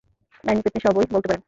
ডাইনি, পেত্নী সবই বলতে পারেন।